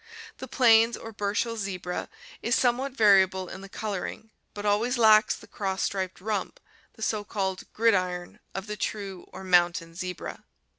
The plains or Burch ell's zebra is somewhat variable in the coloring but always lacks the cross striped rump, the so called "gridiron" of the true or mountain zebra.